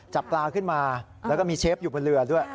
จับปลาขึ้นมาแล้วก็มีเชฟอยู่บนเรือด้วย